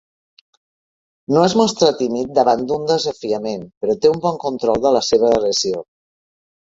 No es mostra tímid davant d'un desafiament, però té un bon control de la seva agressió.